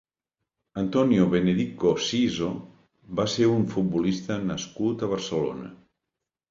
Antonio Benedico Siso va ser un futbolista nascut a Barcelona.